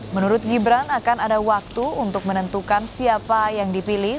menurut gibran akan ada waktu untuk menentukan siapa yang dipilih